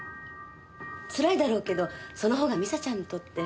つらいだろうけどその方が未紗ちゃんにとって。